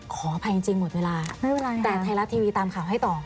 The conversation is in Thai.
ขออภัยจริงหมดเวลาไม่เป็นไรแต่ไทยรัฐทีวีตามข่าวให้ต่อ